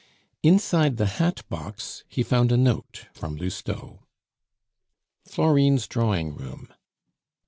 Inside the hatbox he found a note from Lousteau: FLORINE'S DRAWING ROOM.